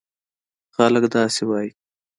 خلک داسې وایي: